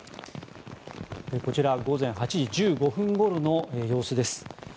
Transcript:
こちら午前８時１５分ごろの様子です。